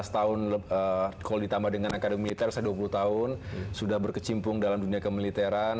lima belas tahun kalau ditambah dengan akademiliter saya dua puluh tahun sudah berkecimpung dalam dunia kemiliteran